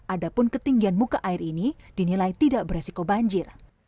adapun ketinggian muka air ini dinilai tidak beresiko banjir